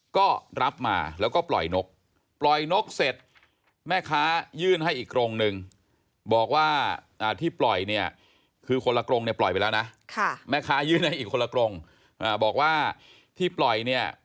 ก็รับมาแล้วก็ปล่อยนกปล่อยนกเสร็จแม่ค้ายื่นให้อีกกรงนึงบอกว่าที่ปล่อยเนี่ยคือคนละกรงเนี่ยปล่อยไปแล้วนะ